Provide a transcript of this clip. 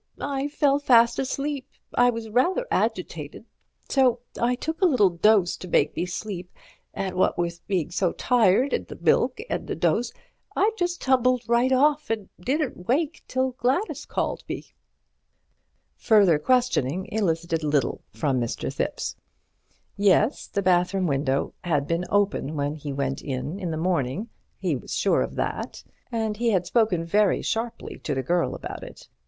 I fell fast asleep. I was rather agitated, so I took a little dose to make me sleep, and what with being so tired and the milk and the dose, I just tumbled right off and didn't wake till Gladys called me." Further questioning elicited little from Mr. Thipps. Yes, the bathroom window had been open when he went in in the morning, he was sure of that, and he had spoken very sharply to the girl about it.